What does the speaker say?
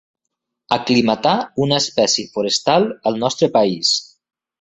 Aclimatar una espècie forestal al nostre país.